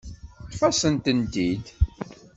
Ṭṭef-asen-tent-id.